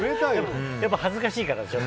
やっぱり恥ずかしいから。